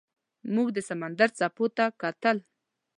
موږ د سمندر څپو ته کتل.